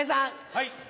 はい。